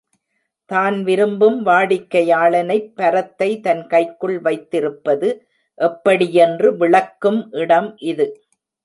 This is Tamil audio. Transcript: தான் விரும்பும் வாடிக்கையாளனைப் பரத்தை தன் கைக்குள் வைத்திருப்பது எப்படியென்று விளக்கும் இடம் இது.